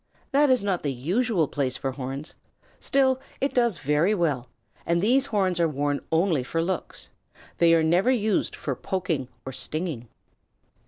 That is not the usual place for horns, still it does very well, and these horns are worn only for looks. They are never used for poking or stinging.